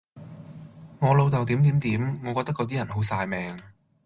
我老豆點點點，我覺得嗰啲人好曬命